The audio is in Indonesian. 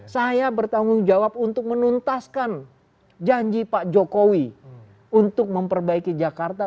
saya bertanggung jawab untuk menuntaskan janji pak jokowi untuk memperbaiki jakarta